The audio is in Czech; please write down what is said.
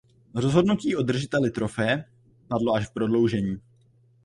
Rozhodnutí o držiteli trofeje padlo až v prodloužení.